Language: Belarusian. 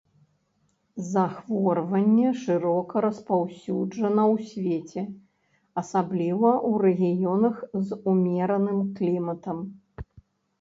Захворванне шырока распаўсюджана ў свеце, асабліва ў рэгіёнах з умераным кліматам.